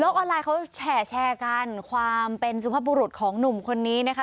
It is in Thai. ออนไลน์เขาแชร์กันความเป็นสุภาพบุรุษของหนุ่มคนนี้นะคะ